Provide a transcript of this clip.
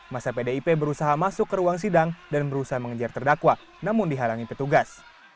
masa pdip berusaha masuk ke ruang sidang dan berusaha mengejar terdakwa namun dihalangi petugas